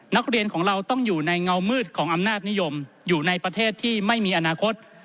นักเรียนของเราต้องอยู่ในเงามืดของอำนาจนิยมอยู่ในประเทศที่ไม่มีอนาคต